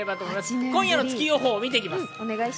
今夜の月予報を見ていきます。